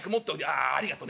ああありがとね。